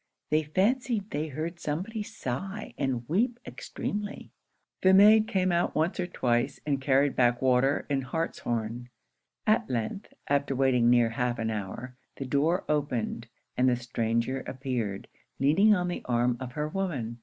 They fancied they heard somebody sigh and weep extremely. The maid came out once or twice and carried back water and hartshorn. At length, after waiting near half an hour, the door opened, and the stranger appeared, leaning on the arm of her woman.